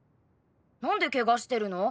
何でケガしてるの？